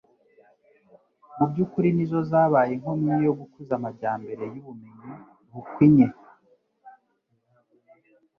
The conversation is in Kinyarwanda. mu by'ukuri ni zo zabaye inkomyi yo gukuza amajyambere y'ubumenyi bukwinye.